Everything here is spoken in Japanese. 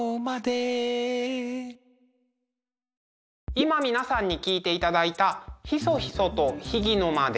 今皆さんに聴いていただいた「ひそひそと、秘儀の間で」